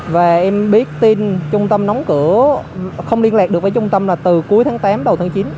và em biết tin trung tâm đóng cửa không liên lạc được với trung tâm là từ cuối tháng tám đầu tháng chín